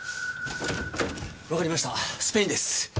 わかりましたスペインです。